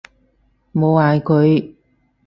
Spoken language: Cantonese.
冇話係佢